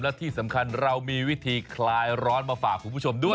และที่สำคัญเรามีวิธีคลายร้อนมาฝากคุณผู้ชมด้วย